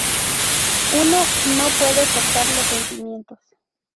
Uno no puede forzar los sentimientos.